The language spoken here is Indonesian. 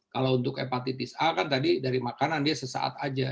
kalau untuk hepatitis a kan tadi dari makanan dia sesaat aja